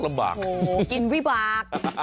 โอ้โฮกินวิบาก